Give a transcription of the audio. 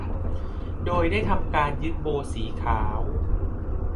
โดยได้ทำการยึดโบว์สีขาว